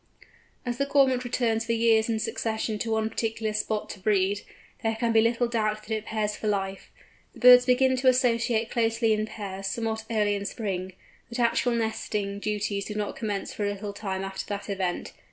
As the Cormorant returns for years in succession to one particular spot to breed, there can be little doubt that it pairs for life. The birds begin to associate closely in pairs somewhat early in spring; but actual nesting duties do not commence for a little time after that event.